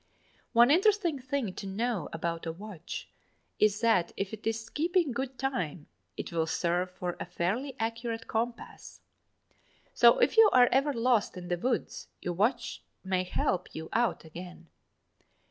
One interesting thing to know about a watch is that if it is keeping good time, it will serve for a fairly accurate compass. So if you are ever lost in the woods, your watch may help you out again.